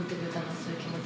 そういう気持ち。